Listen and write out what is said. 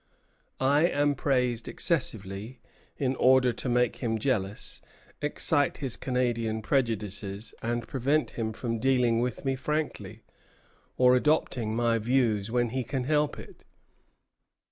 I am praised excessively, in order to make him jealous, excite his Canadian prejudices, and prevent him from dealing with me frankly, or adopting my views when he can help it."